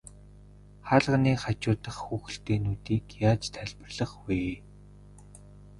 Хаалганы хажуу дахь хүүхэлдэйнүүдийг яаж тайлбарлах вэ?